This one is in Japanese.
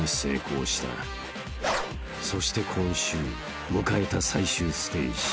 ［そして今週迎えた最終ステージ］